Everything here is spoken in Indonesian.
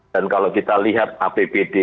kalau kita lihat apbd